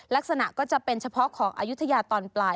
ลักษณะก็จะเป็นเฉพาะของอายุทยาตอนปลาย